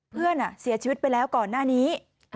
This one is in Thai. เพื่อนเสียชีวิตไปแล้วก่อนหน้านี้